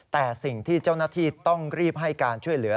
แต่สิ่งที่เจ้าหน้าที่ต้องรีบให้การช่วยเหลือ